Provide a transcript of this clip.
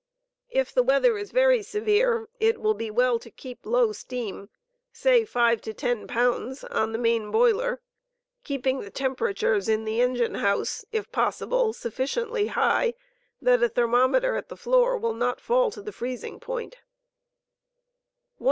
K the weatherts very severe it will be well to keep low steam (say five to ten pounds) on the mam boiler, keeping the temperature in the engine house, if possible, sufficiently high that a thermometer at the floor will not fall to the freezing point 162.